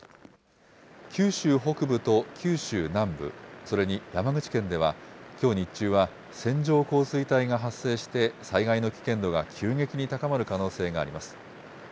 九州北部と九州南部、それに山口県では、きょう日中は線状降水帯が発生して、災害の危険度が急激に高まる可能性があります。